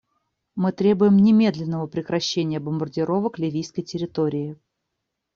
Мы требуем немедленного прекращения бомбардировок ливийской территории.